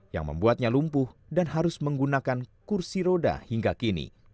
yang membuatnya lumpuh dan harus menggunakan kursi roda hingga kini